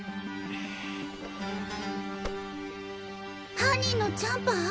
犯人のジャンパー！？